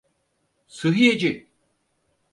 Sıhhiyeci!